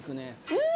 うん！